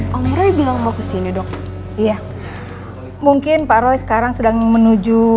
mohon baik bilang mau kesini dok ya mungkin pak roy sekarang sedang menuju